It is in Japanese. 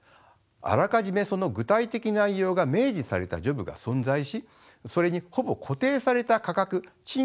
あらかじめその具体的内容が明示されたジョブが存在しそれにほぼ固定された価格賃金がつけられています。